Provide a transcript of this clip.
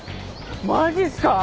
マジっすか？